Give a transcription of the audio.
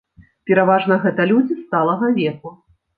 Пераважна гэта людзі сталага веку.